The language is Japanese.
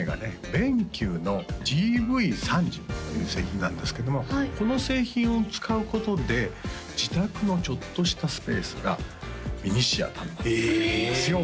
ＢＥＮＱのＧＶ３０という製品なんですけどもこの製品を使うことで自宅のちょっとしたスペースがミニシアターになってくれるんですよ